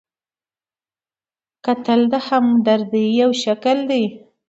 کتل د همدردۍ یو شکل دی